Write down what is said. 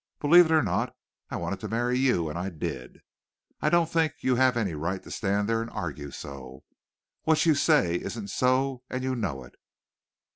Believe it or not. I wanted to marry you and I did. I don't think you have any right to stand there and argue so. What you say isn't so, and you know it."